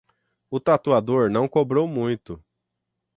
O tatuador não cobrou muito